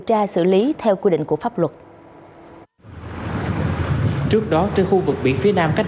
tra xử lý theo quy định của pháp luật trước đó trên khu vực biển phía nam cách